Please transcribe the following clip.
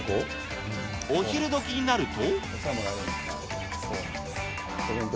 お昼どきになると。